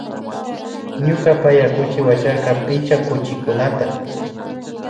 Ñuka paya kuchi wacharka picha kuchikukunata